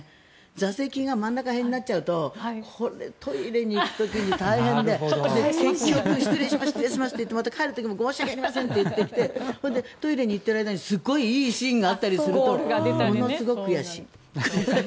座席が真ん中辺になっちゃうとトイレに行く時に大変で失礼しますって言って帰る時も申し訳ありませんって言ってトイレに行っている間にすごくいいシーンがあったりするとものすごく悔しい。